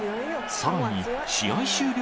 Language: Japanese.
さらに試合終了